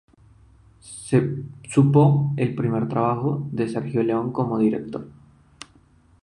Supuso el primer trabajo de Sergio Leone como director.